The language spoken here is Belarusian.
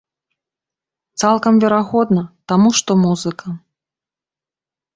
Цалкам верагодна, таму што музыка.